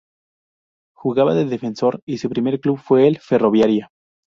Jugaba de defensor y su primer club fue el Ferroviária.